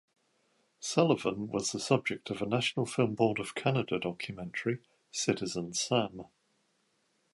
Sullivan was the subject of a National Film Board of Canada documentary, "Citizen Sam".